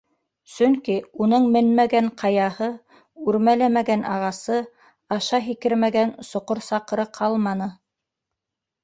Сөнки уның менмәгән ҡаяһы, үрмәләмәгән ағасы, аша һикермәгән соҡор-саҡыры ҡалманы.